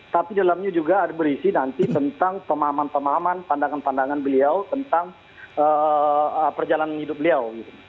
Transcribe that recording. tapi dalamnya juga berisi nanti tentang pemahaman pemahaman pandangan pandangan beliau tentang perjalanan hidup beliau